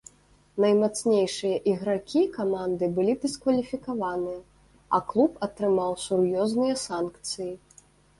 Наймацнейшыя ігракі каманды былі дыскваліфікаваныя, а клуб атрымаў сур'ёзныя санкцыі.